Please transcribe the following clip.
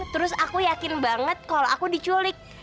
terus aku yakin banget kalau aku diculik